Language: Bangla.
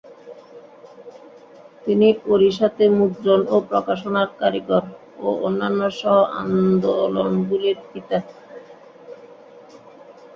তিনি ওড়িশাতে মুদ্রণ ও প্রকাশনার কারিগর ও অন্যান্য সহ-আন্দোলনগুলির পিতা।